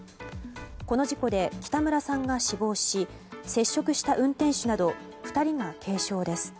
この事故で北村さんが死亡し接触した運転手など２人が軽傷です。